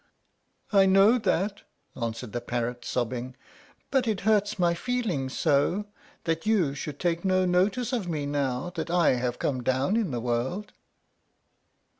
"I know that," answered the parrot, sobbing; "but it hurts my feelings so that you should take no notice of me now that I have come down in the world."